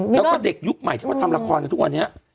แล้วก็เด็กยุคใหม่ที่เขาทำละครในทุกวันนี้